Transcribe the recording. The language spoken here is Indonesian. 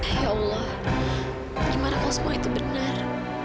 ya allah gimana kalau semua itu benar